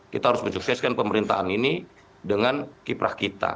kita harus mensukseskan pemerintahan ini dengan kiprah kita